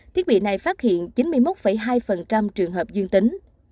thiết bị này phát hiện chín mươi một hai trường hợp dương tính